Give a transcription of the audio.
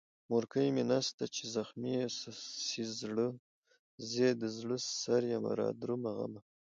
مورکۍ مې نسته چې زخمي يې سي زړه، زې دزړه سريمه رادرومه غمه